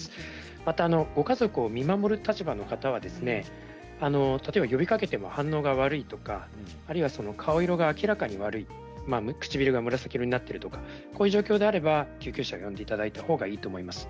また、ご家族を見守る立場の方は例えば呼びかけても反応が悪いとか顔色が明らかに悪い唇が紫色になっているとかこういう状況であれば救急車を呼んでいただいたほうがいいと思います。